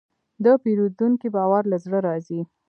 د پیرودونکي باور له زړه راځي.